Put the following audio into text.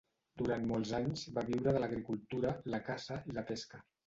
Durant molts anys van viure de l'agricultura, la caça i la pesca.